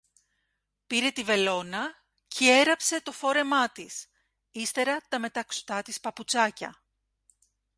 Πήρε τη βελόνα κι έραψε το φόρεμά της, ύστερα τα μεταξωτά της παπουτσάκια